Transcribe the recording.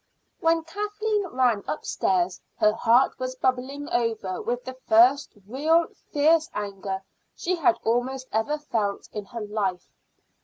When Kathleen ran upstairs her heart was bubbling over with the first real fierce anger she had almost ever felt in her life.